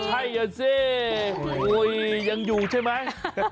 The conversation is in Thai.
ใช่อ่ะสิยังอยู่ใช่ไหม